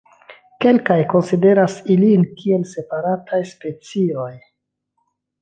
Kelkaj konsideras ilin kiel separataj specioj.